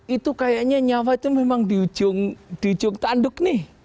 itu kayaknya nyawa itu memang di ujung tanduk nih